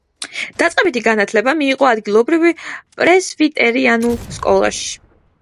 დაწყებითი განათლება მიიღო ადგილობრივი პრესვიტერიანულ სკოლაში.